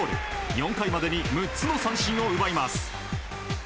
４回までに６つの三振を奪います。